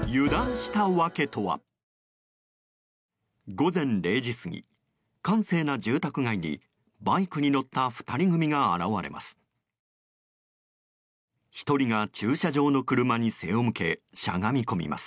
午前０時過ぎ、閑静な住宅街にバイクに乗った２人組が現れます。